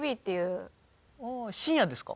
深夜ですか？